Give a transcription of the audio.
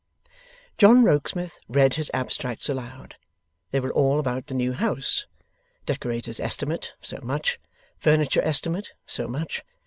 John Rokesmith read his abstracts aloud. They were all about the new house. Decorator's estimate, so much. Furniture estimate, so much.